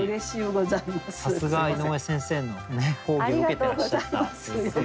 さすが井上先生のね講義を受けてらっしゃった。